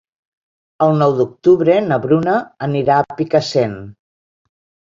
El nou d'octubre na Bruna anirà a Picassent.